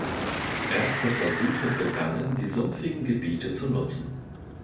Erste Versuche begannen, die sumpfigen Gebiete zu nutzen.